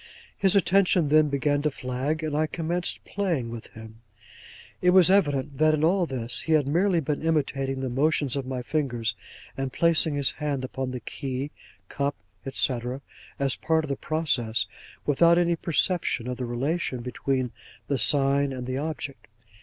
His attention then began to flag, and I commenced playing with him. It was evident that in all this he had merely been imitating the motions of my fingers, and placing his hand upon the key, cup, &c., as part of the process, without any perception of the relation between the sign and the object.